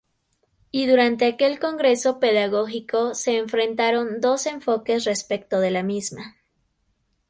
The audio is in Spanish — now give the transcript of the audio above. Y durante aquel Congreso pedagógico se enfrentaron dos enfoques respecto de la misma.